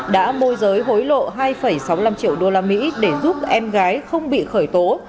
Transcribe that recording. đã môi giới hối lộ hai sáu mươi năm triệu usd để giúp em gái không bị khởi tố